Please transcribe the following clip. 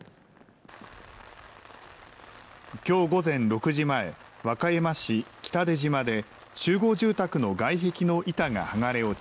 きょう午前６時前和歌山市北出島で集合住宅の外壁の板が剥がれ落ち